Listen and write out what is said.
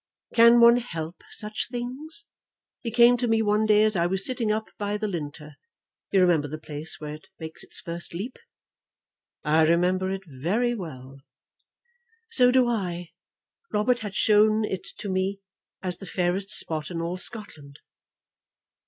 "Can one help such things? He came to me one day as I was sitting up by the Linter. You remember the place, where it makes its first leap." "I remember it very well." "So do I. Robert had shown it me as the fairest spot in all Scotland."